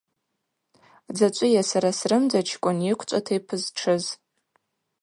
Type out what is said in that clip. Дзачӏвыйа сара срымдзачкӏвын йыквчӏвата йпызтшыз?